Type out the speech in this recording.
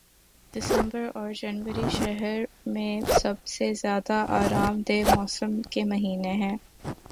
دسمبر اور جنوری شہر میں سب سے زیادہ آرام دہ موسم کے مہینے ہیں